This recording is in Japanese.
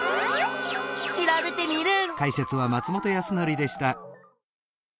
調べテミルン！